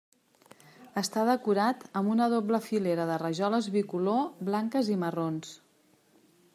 Està decorat amb una doble filera de rajoles bicolor blanques i marrons.